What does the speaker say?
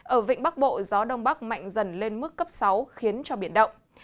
ở vịnh bắc bộ gió đông bắc mạnh dần lên mức cấp sáu khiến cho biển động